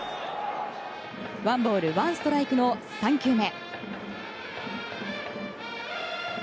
ワンボールワンストライクの３球目。